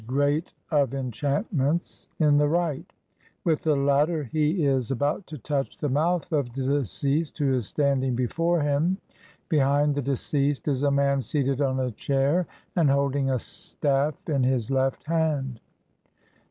"great of enchantments") in the right ; with the latter he is about to touch the mouth of the deceased who is standing be fore him. Behind the deceased is a man seated on a chair and holding a staff in his left hand.